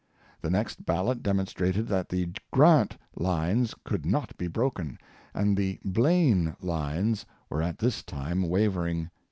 The next ballot demonstrated that the Grant lines could not be broken, and the Blaine lines were at this time wavering